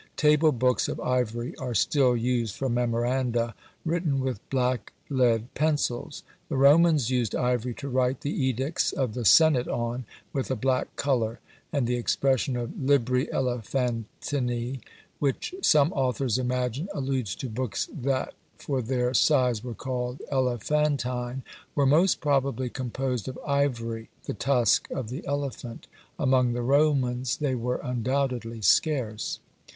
Table books of ivory are still used for memoranda, written with black lead pencils. The Romans used ivory to write the edicts of the senate on, with a black colour; and the expression of libri elephantini, which some authors imagine alludes to books that for their size were called elephantine, were most probably composed of ivory, the tusk of the elephant: among the Romans they were undoubtedly scarce.